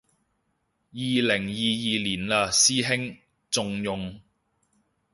二零二二年嘞師兄，仲用